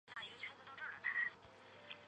甘蔗绵蚜为扁蚜科粉角扁蚜属下的一个种。